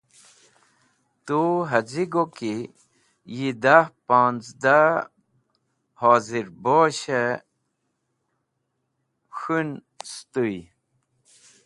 Tu az̃i go ki yi dah ponzdah hozirbosh-e k̃hũn sũtũy.